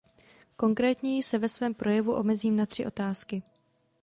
Konkrétněji se ve svém projevu omezím na tři otázky.